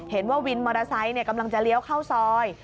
เห็นว่าวินมอเตอร์ไซค์กำลังจะเลี้ยวเข้าซอย